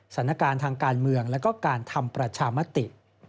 สถานการณ์ทางการเมืองและการทำประชามติ